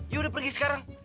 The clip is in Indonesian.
ya udah pergi sekarang